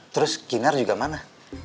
terus kinar juga mana